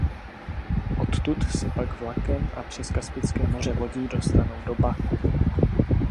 Odtud se pak vlakem a přes Kaspické moře lodí dostanou do Baku.